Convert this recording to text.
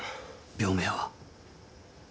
病名は？